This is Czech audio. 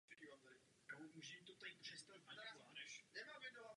Nyní je to ale v pořádku.